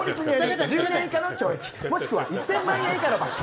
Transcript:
１０年以下の懲役、もしくは１０００万円以下の罰金。